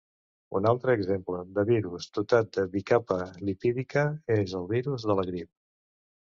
Un altre exemple de virus dotat de bicapa lipídica és el virus de la grip.